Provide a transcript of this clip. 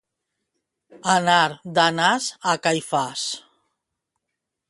Anar d'Anàs a Caifàs.